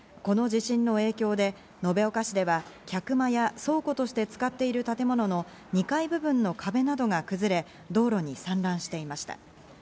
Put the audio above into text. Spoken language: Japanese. この地震の影響で延岡市では、客間や倉庫として使っている建物の２階部分の壁などが崩れ、道路に散乱していました。